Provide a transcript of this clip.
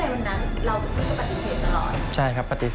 อันดับสุดท้ายของพี่รัตติว